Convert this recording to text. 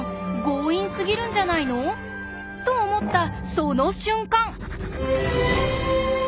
強引すぎるんじゃないの？と思ったその瞬間。